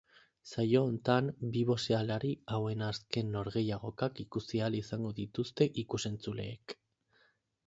Saio honetan, bi boxeolari hauen azken norgehiagokak ikusi ahal izango dituzte ikus-entzuleek.